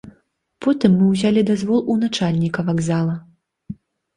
Потым мы ўзялі дазвол у начальніка вакзала.